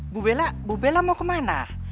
bu bella mau kemana